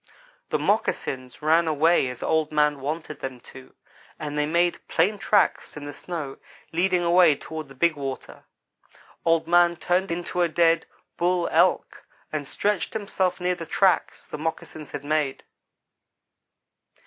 "The moccasins ran away as Old man wanted them to, and they made plain tracks in the snow leading away toward the big water. Old man turned into a dead Bull Elk and stretched himself near the tracks the moccasins had made.